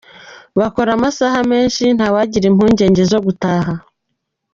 Bakora amasaha menshi, ntawagira impungenge zo gutaha.